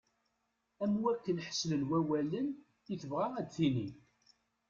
Am wakken ḥeslen wawalen i tebɣa ad d-tini.